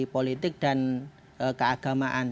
politik dan keagamaan